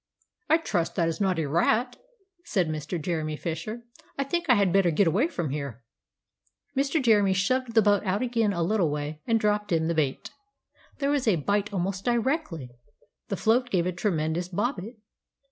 "I trust that is not a rat," said Mr. Jeremy Fisher; "I think I had better get away from here." Mr. Jeremy shoved the boat out again a little way, and dropped in the bait. There was a bite almost directly; the float gave a tremendous bobbit!